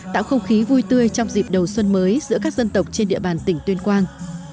tạo không khí vui tươi trong dịp đầu xuân mới giữa các dân tộc trên địa bàn tỉnh tuyên quang